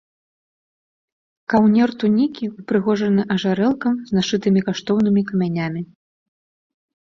Каўнер тунікі ўпрыгожаны ажарэлкам з нашытымі каштоўнымі камянямі.